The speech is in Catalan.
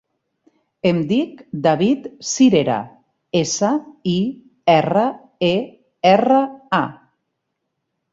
Em dic David Sirera: essa, i, erra, e, erra, a.